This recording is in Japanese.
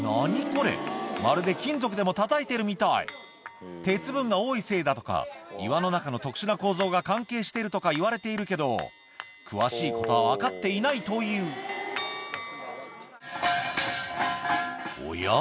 これまるで金属でもたたいてるみたい鉄分が多いせいだとか岩の中の特殊な構造が関係しているとかいわれているけど詳しいことは分かっていないというおや？